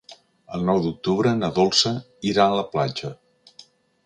El nou d'octubre na Dolça irà a la platja.